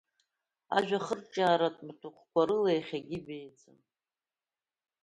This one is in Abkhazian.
Ажәахырҿиааратә маҭәахәқәа рыла иахьагьы ибеиаӡам.